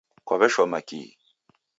Kwaw'eshoma kihi?